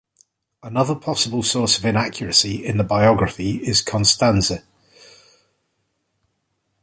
Another possible source of inaccuracy in the biography is Constanze.